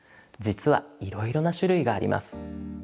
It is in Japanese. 実はいろいろな種類があります。